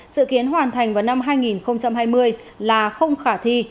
dự kiến hoàn thành vào năm hai nghìn hai mươi là không khả thi